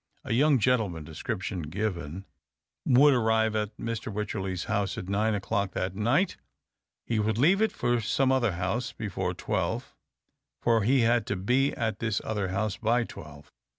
A young gentleman (description given) would arrive at Mr. Wycherley's house at nine o'clock that night. He would leave it for some other house before twelve, for he had to be at this other house by twelve. Mr.